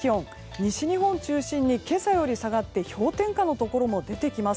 西日本を中心に今朝より下がって氷点下のところも出てきます。